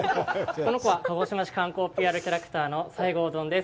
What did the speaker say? この子は、鹿児島市観光ＰＲキャラクターの西郷どんです。